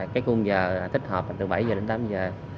cái khuôn giờ tích hợp từ bảy giờ đến tám giờ